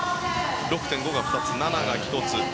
６．５が２つ、７が１つ。